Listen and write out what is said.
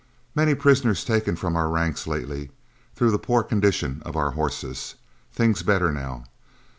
Many prisoners taken from our ranks lately, through the poor condition of our horses. Things better now.